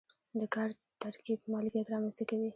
د کار ترکیب مالکیت رامنځته کوي.